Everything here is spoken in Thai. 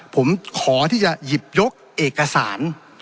ผมขอที่จะหยิบยกเอกสาร